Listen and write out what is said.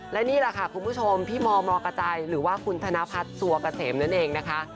และนี่แหละค่ะคุณผู้ชมพี่มมกระจายหรือว่าคุณธนพัฒน์สัวเกษมนั่นเองนะคะ